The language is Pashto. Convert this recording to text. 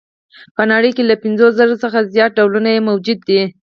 په نړۍ کې له پنځوس زره څخه زیات ډولونه یې موجود دي.